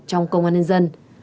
trong công an nhân dân